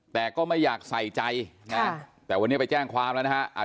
แต่ก็ไม่อยากใส่ใจนะแต่วันนี้ไปแจ้งความแล้วนะฮะ